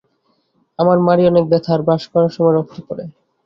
আমার মাড়ি অনেক ব্যথা আর ব্রাশ করার সময় রক্ত পরে।